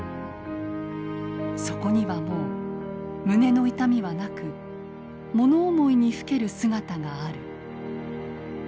そこにはもう胸の痛みはなくもの思いにふける姿がある。